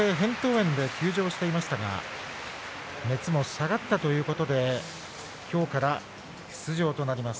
炎で休場していましたが熱も下がったということできょうから出場となります。